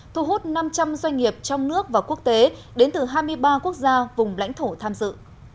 thu hút năm trăm linh doanh nghiệp trong nước và quốc tế đến từ hai mươi ba quốc gia vùng lãnh thổ tham dự